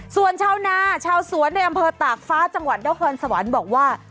ส่วนชาวนาชาวสวนในอำเภอตากฟ้าจังหวัดนครสวรรค์บอกว่า